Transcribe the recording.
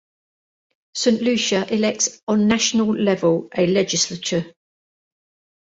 Saint Lucia elects on national level a legislature.